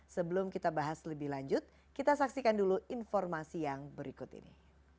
sebelum kita bahas lebih lanjut kita saksikan dulu informasi yang berikut ini